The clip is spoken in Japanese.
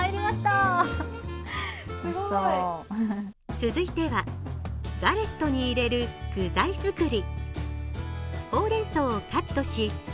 続いては、ガレットに入れる具材作り。